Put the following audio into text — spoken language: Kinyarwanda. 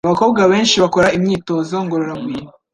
abakobwa benshi bakora imyitozo ngororamubiri